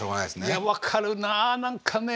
いや分かるなあ何かね